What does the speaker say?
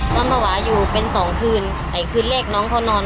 ก็ภาวะอยู่เป็นสองคืนแต่คืนแรกน้องเขานอน